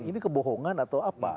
ini kebohongan atau apa